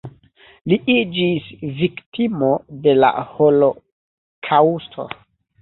Li iĝis viktimo de la holokaŭsto.